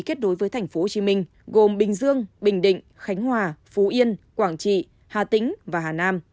kết nối với tp hcm gồm bình dương bình định khánh hòa phú yên quảng trị hà tĩnh và hà nam